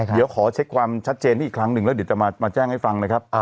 เดี๋ยวขอเช็คความชัดเจนให้อีกครั้งหนึ่งแล้วเดี๋ยวจะมาแจ้งให้ฟังนะครับ